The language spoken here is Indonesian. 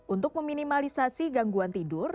untuk meminimalisasi gangguan tidur